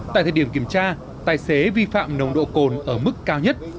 tại thời điểm kiểm tra tài xế vi phạm nồng độ cồn ở mức cao nhất